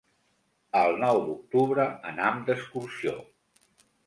El nou d'octubre anam d'excursió.